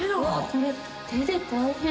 これ手で大変。